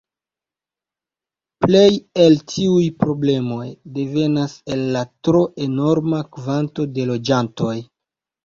Plej el tiuj problemoj devenas el la tro enorma kvanto de loĝantoj.